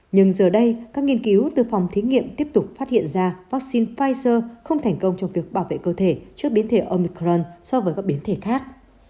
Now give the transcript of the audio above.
nhưng giờ đây các nghiên cứu từ phòng thí nghiệm tiếp tục phát hiện ra vaccine pfizer không thành công trong việc bảo vệ cơ thể trước biến thể omicron so với các biến thể khác